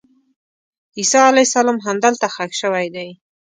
عیسی علیه السلام همدلته ښخ شوی دی.